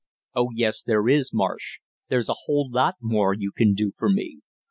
"Oh, yes there is, Marsh, there's a whole lot more you can do for me.